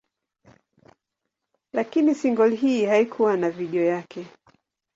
Lakini single hii haikuwa na video yake.